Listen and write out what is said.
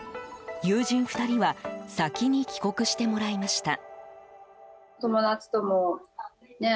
友人２人は先に帰国してもらいました。